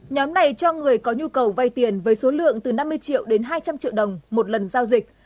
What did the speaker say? nhóm này cho người có nhu cầu vay tiền với số lượng từ năm mươi triệu đến hai trăm linh triệu đồng một lần giao dịch